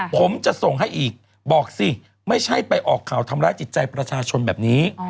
ผมจะส่งให้อีกบอกสิไม่ใช่ไปออกข่าวทำร้ายจิตใจประชาชนแบบนี้